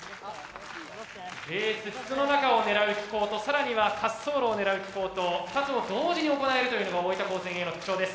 ベース筒の中を狙う機構と更には滑走路を狙う機構と２つを同時に行えるというのが大分高専Ａの特徴です。